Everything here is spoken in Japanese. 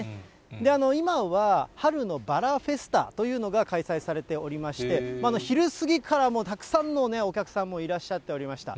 今は春のバラフェスタというのが開催されておりまして、昼過ぎからたくさんのお客様がいらっしゃっておりました。